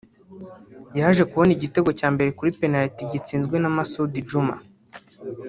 yaje kubona igitego cya mbere kuri Penaliti gitsinzwe na Masudi Juma